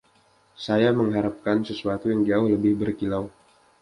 Saya mengharapkan sesuatu yang jauh lebih berkilau.